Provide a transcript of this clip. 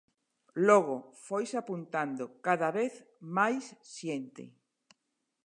Logo foise apuntando cada vez máis xente.